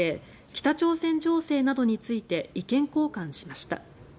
北朝鮮情勢などについて意見交換しました。